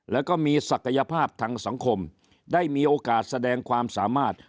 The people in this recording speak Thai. แล้วก็มีศักยภาพทางสังคมได้มีโอกาสแสดงความสามารถ